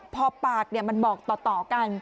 พอปากมันบอกต่อกัน